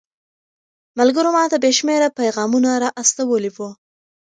ملګرو ماته بې شمېره پيغامونه را استولي وو.